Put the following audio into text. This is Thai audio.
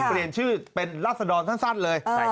เป็นรัศดรสั้นเลย